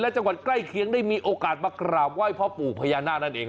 และจังหวัดใกล้เคียงได้มีโอกาสมากราบไหว้พ่อปู่พญานาคนั่นเอง